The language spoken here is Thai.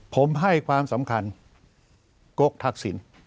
ผมให้ความสำคัญกกทักษิณ